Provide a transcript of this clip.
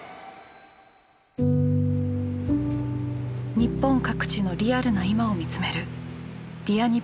日本各地のリアルな今を見つめる「Ｄｅａｒにっぽん」。